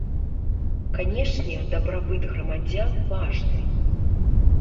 Канешне, дабрабыт грамадзян важны.